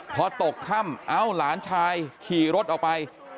พอตกค่ำเอ้าหลานชายขี่รถออกไป